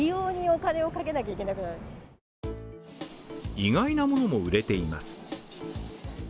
意外なものも売れています。